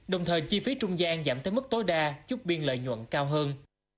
đồng thời chi phí trung gian giảm tới mức tối đa giúp biên lợi nhuận cao hơn